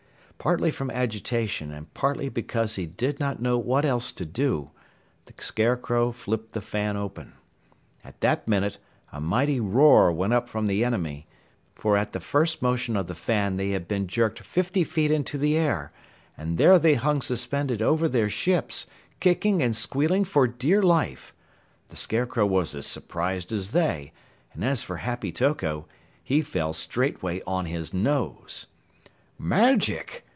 Partly from agitation and partly because he did not know what else to do, the Scarecrow flipped the fan open. At that minute, a mighty roar went up from the enemy, for at the first motion of the fan they had been jerked fifty feet into the air, and there they hung suspended over their ships, kicking and squealing for dear life. The Scarecrow was as surprised as they, and as for Happy Toko, he fell straightway on his nose! "Magic!"